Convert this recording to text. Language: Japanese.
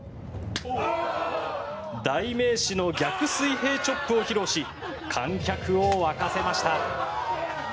代名詞の逆水平チョップを披露し観客を沸かせました。